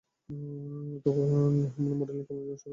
অতঃপর Ah Mun তার modelling কর্মজীবন শুরু করেন।